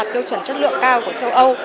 chuyển chất lượng cao của châu âu